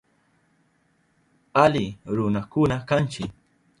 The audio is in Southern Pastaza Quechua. Ali runakuna kanchi.